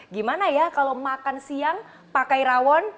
gimana ya kalau makan siang pakai rawon